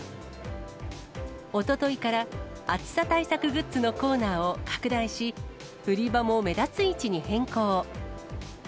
おとといから、暑さ対策グッズのコーナーを拡大し、売り場も目立つ位置に変更。